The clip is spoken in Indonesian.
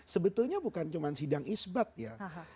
sebetulnya bukan cuma sidang isbat ya